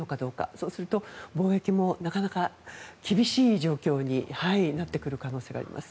そうすると貿易もなかなか、厳しい状況になってくる可能性があります。